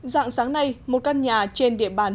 dạng sáng nay một căn nhà trên địa bàn